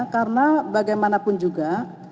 karena bagaimanapun juga